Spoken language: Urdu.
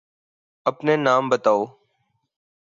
أپنے نام بتاؤ۔